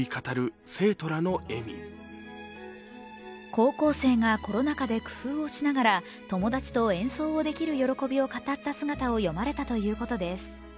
高校生がコロナ禍で工夫をしながら友達と演奏する喜びを語った姿を詠まれたということです。